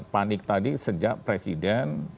panik tadi sejak presiden